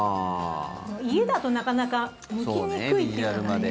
家だとなかなかむきにくいというのがあります。